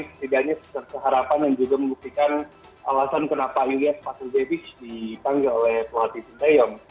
setidaknya seharapan dan juga membuktikan alasan kenapa ilyas pakuzevic ditanggal oleh flotty tinteyong